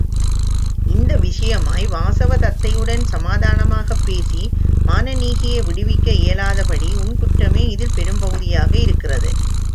இந்த விஷயமாய் வாசவதத்தையுடன் சமாதானமாகப் பேசி மானனீகையை விடுவிக்க இயலாதபடி உன் குற்றமே இதில் பெரும்பகுதியாக இருக்கிறது!